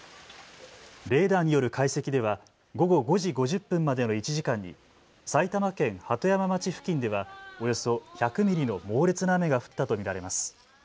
レーダーによる解析では午後５時５０分までの１時間に埼玉県鳩山町付近ではおよそ１００ミリの猛烈な雨が降ったと見られます。